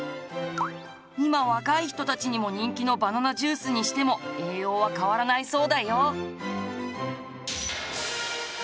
今若い人たちにも人気のバナナジュースにしても栄養は変わらないそうだよ。